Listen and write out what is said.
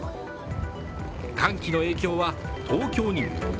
寒気の影響は東京にも。